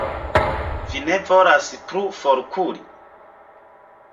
Vi ne volas plu forkuri?